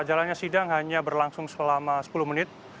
jalannya sidang hanya berlangsung selama sepuluh menit